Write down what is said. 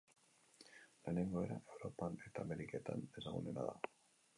Lehenengo era Europan eta Ameriketan ezagunena da.